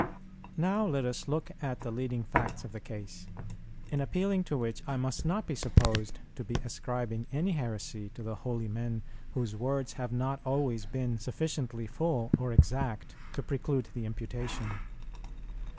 Now let us look at the leading facts of the case, in appealing to which I must not be supposed to be ascribing any heresy to the holy men whose words have not always been sufficiently full or exact to preclude the imputation.